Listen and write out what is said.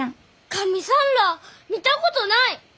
神さんらあ見たことない！